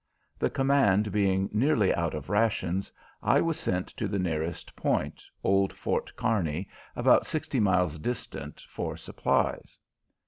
The command being nearly out of rations, I was sent to the nearest point, old Fort Kearny, about sixty miles distant, for supplies.